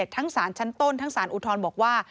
ทั้งสารชั้นต้นทั้งสารอุทธรณ์บอกว่า